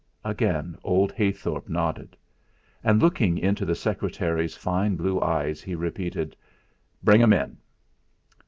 Again old Heythorp nodded; and, looking into the secretary's fine blue eyes, he repeated: "Bring 'em in."